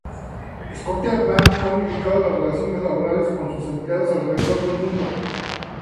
Scotiabank ha unificado las relaciones laborales con sus empleados alrededor del mundo.